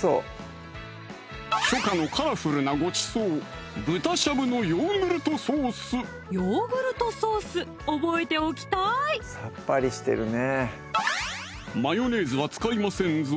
初夏のカラフルなごちそうヨーグルトソース覚えておきたいマヨネーズは使いませんぞ